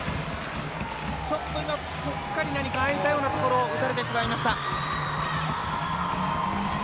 ちょっと今、ぽっかり空いたようなところを打たれてしまいました。